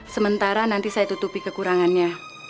sementara nanti saya tutupi kekurangannya